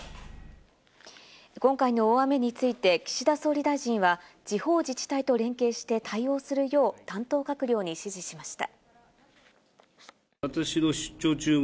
今回の大雨について岸田総理大臣は地方自治体と連携して対応するよう担当閣僚に指示しました。